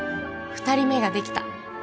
２人目ができた。